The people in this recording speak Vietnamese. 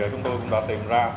chúng tôi đã tìm ra được hai bé